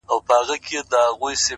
دا درې جامونـه پـه واوښـتـل،